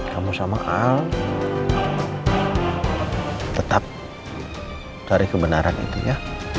kamu sama al tetap cari kebenaran itunya